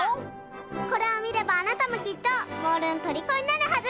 これをみればあなたもきっとモールのとりこになるはず！